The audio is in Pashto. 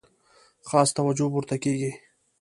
خاصه توجه به ورته کیږي.